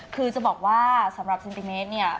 คือจะบอกว่าสำหรับเซนติเมตรเนี่ย